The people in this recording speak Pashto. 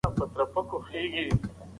موږ به سبا خپل نوی پروګرام پیل کړو.